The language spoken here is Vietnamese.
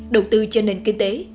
đầu tư cho nền kinh tế